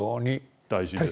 大事です。